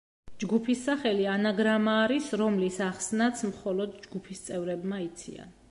ჯგუფის სახელი ანაგრამა არის, რომლის ახსნაც მხოლოდ ჯგუფის წევრებმა იციან.